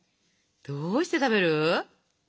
どうして食べる？